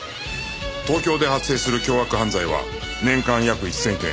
東京で発生する凶悪犯罪は年間約１０００件